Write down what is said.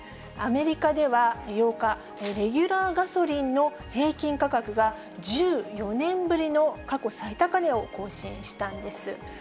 アメリカでは、８日、レギュラーガソリンの平均価格が、１４年ぶりの過去最高値を更新したんです。